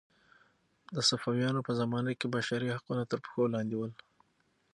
د صفویانو په زمانه کې بشري حقونه تر پښو لاندې ول.